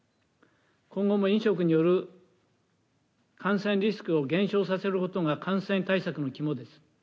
今後も飲食による感染リスクを減少させることが感染対策の肝です。